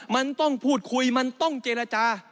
มันต้องพูดคุยมันต้องเจรจา